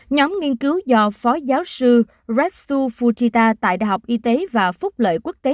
nhóm nghiên cứu do phó giáo sư retsu fujita tại đại học y tế và phúc lợi quốc tế